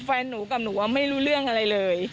แฟนหนูกับหนูว่าไม่รู้เรื่องอะไรเลย